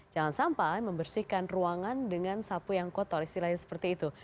jangan sampai membersihkan ruangan dengan sapu yang kotor istilahnya seperti itu